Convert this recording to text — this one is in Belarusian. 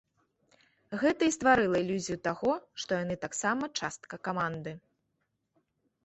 Гэта і стварыла ілюзію таго, што яны таксама частка каманды.